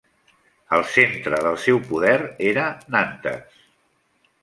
El centre del seu poder era Nantes.